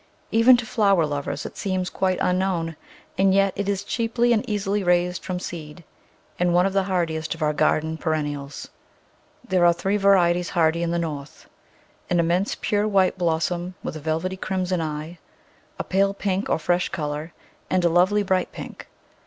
Even to flower lovers it seems quite unknown, and yet it is cheaply and easily raised from seed, and one of the hardiest of our garden perennials. There are three varieties hardy in the North — an immense pure white blossom with a velvety crimson eye, a pale pink or flesh colour, and a lovely bright pink.